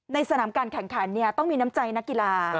สนามการแข่งขันต้องมีน้ำใจนักกีฬา